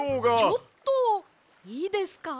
ちょっといいですか？